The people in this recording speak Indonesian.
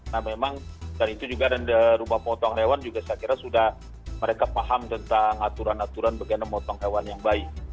nah memang dari itu juga rumah potong hewan juga saya kira sudah mereka paham tentang aturan aturan bagaimana memotong hewan yang baik